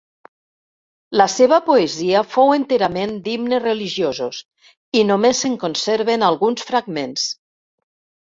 La seva poesia fou enterament d'himnes religiosos, i només se'n conserven alguns fragments.